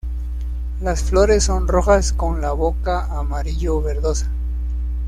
Las flores son rojas con la boca amarillo-verdosa.